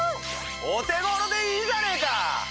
お手頃でいいじゃねえか！